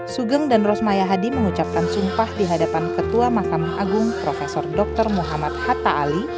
sugeng dan rosmaya hadi mengucapkan sumpah di hadapan ketua mahkamah agung prof dr muhammad hatta ali